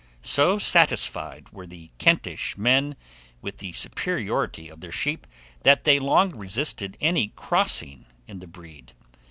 So satisfied were the Kentish men with the superiority of their sheep, that they long resisted any crossing in the breed.